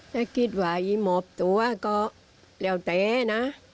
ถ้าคิดว่าหมอบตัวก็แล้วแต่นะ